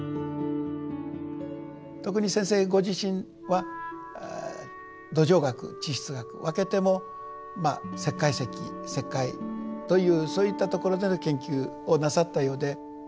特に先生ご自身は土壌学地質学わけてもまあ石灰石石灰というそういったところでの研究をなさったようで。